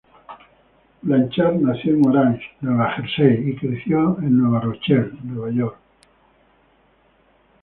Blanchard nació en en Orange, Nueva Jersey y creció en New Rochelle, Nueva York.